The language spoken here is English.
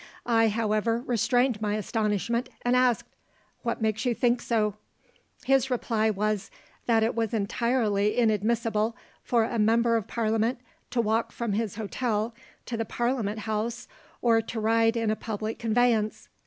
I, however, restrained my astonishment, and asked: "What makes you think so?" His reply was, that it was entirely inadmissible for a member of parliament to walk from his hotel to the parliament house or to ride in a public conveyance.